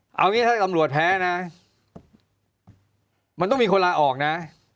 เอางี้ถ้าตำรวจแพ้นะมันต้องมีคนลาออกนะ